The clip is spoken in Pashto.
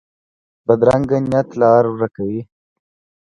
بدرنګه نیت لار ورکه وي